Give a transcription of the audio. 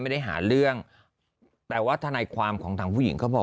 เดี๋ยวก่อนครับนะครับ